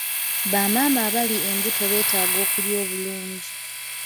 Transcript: Bamaama abali embuto beetaaga okulya obulungi.